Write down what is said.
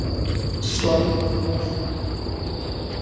لە کوێوە شان دەخورێ.